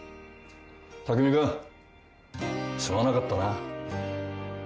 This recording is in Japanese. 匠君すまなかったな。